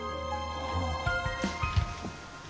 ああ。